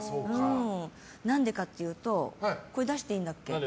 何でかっていうとこれ出していいんだっけ？